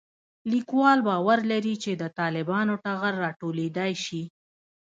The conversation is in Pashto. لیکوال باور لري چې د طالبانو ټغر راټولېدای شي